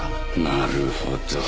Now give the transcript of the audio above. なるほど。